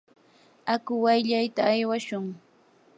aku wayllayta aywashun.